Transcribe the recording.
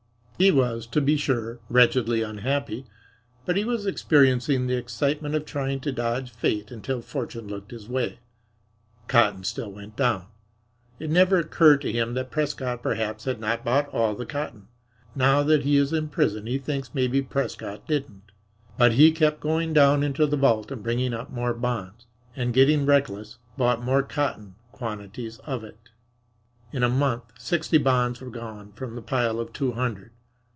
He was, to be sure, wretchedly unhappy, but he was experiencing the excitement of trying to dodge Fate until Fortune looked his way. Cotton still went down. It never occurred to him that Prescott perhaps had not bought all the cotton. Now that he is in prison he thinks maybe Prescott didn't. But he kept going down into the vault and bringing up more bonds, and, getting reckless, bought more cotton quantities of it. In a month sixty bonds were gone from the pile of two hundred.